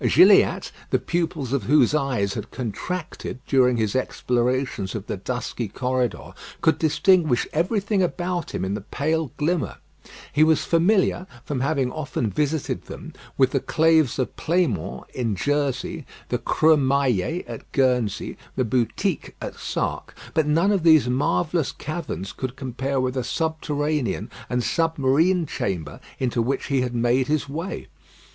Gilliatt, the pupils of whose eyes had contracted during his explorations of the dusky corridor, could distinguish everything about him in the pale glimmer. He was familiar, from having often visited them, with the caves of Plémont in Jersey, the Creux Maillé at Guernsey, the Boutiques at Sark; but none of these marvellous caverns could compare with the subterranean and submarine chamber into which he had made his way.